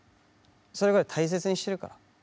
それぐらい大切にしてるから。